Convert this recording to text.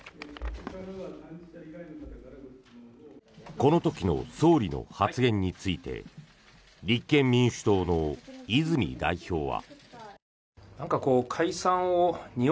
この時の総理の発言について立憲民主党の泉代表は。